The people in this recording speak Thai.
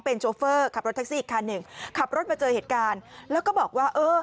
โชเฟอร์ขับรถแท็กซี่อีกคันหนึ่งขับรถมาเจอเหตุการณ์แล้วก็บอกว่าเออ